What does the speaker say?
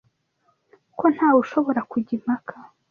ko ntawe ushobora kujya impaka.